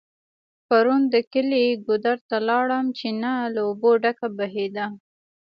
پرون د کلي ګودر ته لاړم .چينه له اوبو ډکه بهيده